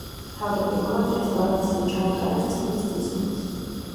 თავდაპირველად რესტავრაცია ჩაუტარეს წყლის წისქვილს.